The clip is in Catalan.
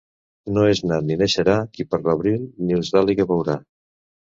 No és nat ni naixerà qui per l'abril nius d'àliga veurà.